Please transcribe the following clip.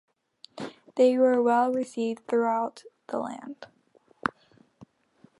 They were well received throughout the land.